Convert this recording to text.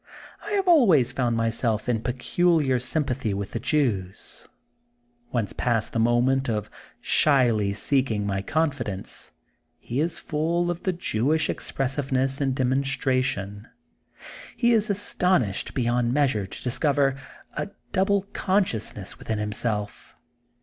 I have always found myself in peculiar sympathy with the Jews. Once past the moment of shyly seeking my confi dence, he is full of the Jewish expressiveness and demonstration. He is astonished beyond measure to discover a double consciousness within himself.